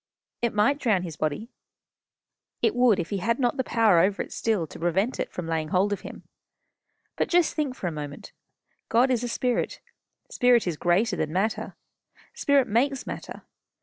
"It might drown his body." "It would if he had not the power over it still, to prevent it from laying hold of him. But just think for a moment. God is a Spirit. Spirit is greater than matter. Spirit makes matter.